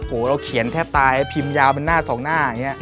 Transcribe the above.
โอ้โหเราเขียนแทบตายพิมพ์ยาวเป็นหน้าสองหน้าอย่างนี้